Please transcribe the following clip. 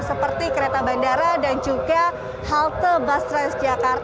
seperti kereta bandara